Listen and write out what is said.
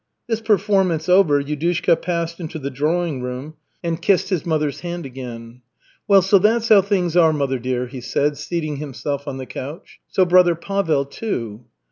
This performance over, Yudushka passed into the drawing room and kissed his mother's hand again. "Well, so that's how things are, mother dear," he said, seating himself on the couch. "So brother Pavel, too."